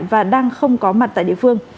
và đang không có mặt tại địa phương